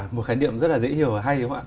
một khái niệm rất là dễ hiểu và hay đúng không ạ